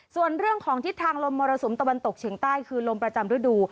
ส่วนเรื่องของทิศทางลมมรสุมตะวันตกเฉียงใต้คือลมประจำฤดู